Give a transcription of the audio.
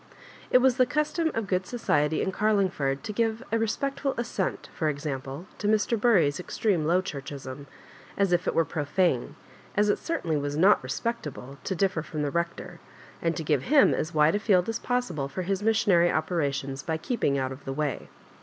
It was the custom of good society in Carlingford to give a respectful assent, for example', to Mr. Bury's extreme Low Churchism — ^as if it were profane, as it certainly was not respectable, to differ from the Rector — and to give him as wide a field as possible for his missionary operations by keeping out of the way.